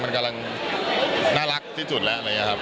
มันกำลังน่ารักที่สุดแล้วอะไรอย่างนี้ครับ